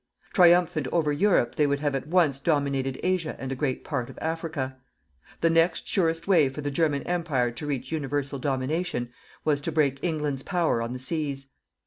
Triumphant over Europe they would have at once dominated Asia and a great part of Africa. The next surest way for the German Empire to reach universal domination was to break England's power on the seas.